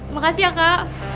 makasih ya kak